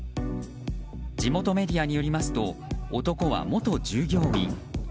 地元メディアによりますと男は元従業員。